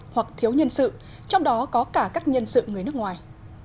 hoặc thiếu nhân sự trong đó có cả các nhân sự người nước ngoài